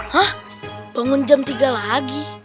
hah bangun jam tiga lagi